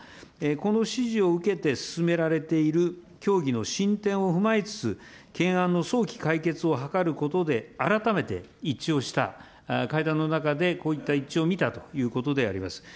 この指示を受けて進められている協議の進展を踏まえつつ、懸案の早期解決を図ることで、改めて一致をした、会談の中でこういったいっちをみたということであります